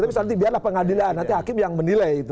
tapi nanti biarlah pengadilan nanti hakim yang menilai itu